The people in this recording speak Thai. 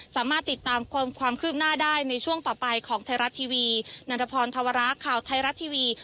สามารถติดตามความคืบหน้าได้ในช่วงต่อไปของไทยรัฐทีวีนันทพรธวระข่าวไทยรัฐทีวี